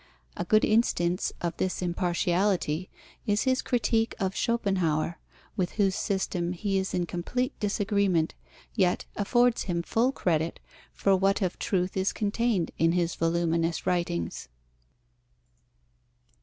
A good instance of this impartiality is his critique of Schopenhauer, with whose system he is in complete disagreement, yet affords him full credit for what of truth is contained in his voluminous writings.